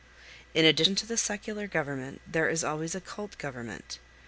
In addition to the secular government there is always a cult government.